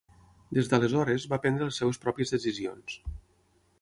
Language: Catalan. Des d'aleshores, va prendre les seves pròpies decisions.